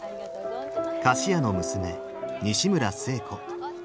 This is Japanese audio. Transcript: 菓子屋の娘西村寿恵子。